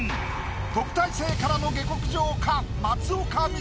特待生からの下克上か？